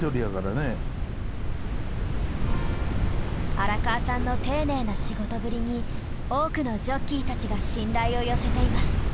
荒川さんの丁寧な仕事ぶりに多くのジョッキーたちが信頼を寄せています。